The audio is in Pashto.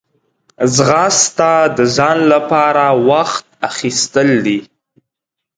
ځغاسته د ځان لپاره وخت اخیستل دي